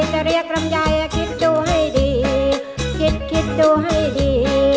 จะเรียกลำไยคิดดูให้ดีคิดคิดดูให้ดี